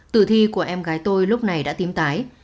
tử thi của em gái tôi lúc này đã tím tái